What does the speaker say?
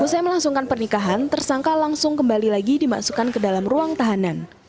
usai melangsungkan pernikahan tersangka langsung kembali lagi dimasukkan ke dalam ruang tahanan